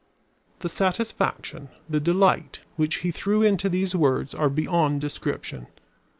The satisfaction, the delight, which he threw into these words are beyond description.